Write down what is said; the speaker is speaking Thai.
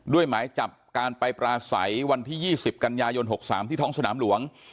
หมายจับการไปปราศัยวันที่๒๐กันยายน๖๓ที่ท้องสนามหลวง